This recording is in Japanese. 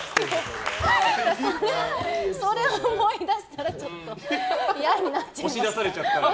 それを思い出したらちょっと嫌になっちゃいました。